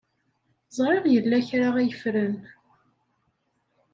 Ẓriɣ yella kra ay ffren.